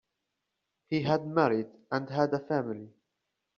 He had married and had a family.